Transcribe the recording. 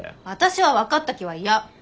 私は分かった気は嫌！